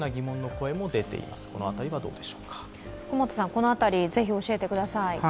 この辺り、ぜひ教えてください。